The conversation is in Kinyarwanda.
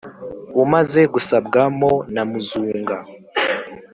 Umaze gusabwa mo na muzunga.